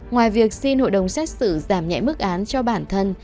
ngoài việc xin hội đồng xét xử giảm nhẹ mức án cho bản thân